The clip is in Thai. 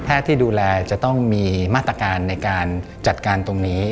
ที่ดูแลจะต้องมีมาตรการในการจัดการตรงนี้